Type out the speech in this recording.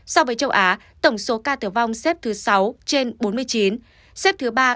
so với châu á tổng số ca tử vong xếp thứ sáu trên bốn mươi chín xếp thứ ba